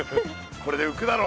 これでうくだろ。